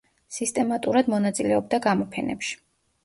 სისტემატურად მონაწილეობდა გამოფენებში.